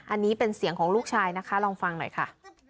อันนี้เป็นเสียงของลูกชายนะคะลองฟังหน่อยค่ะ